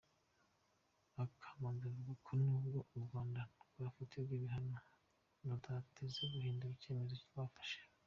Akamanzi avuga ko n’ubwo u Rwanda rwafatirwa ibihano rudateze guhindura icyemezo rwafashe.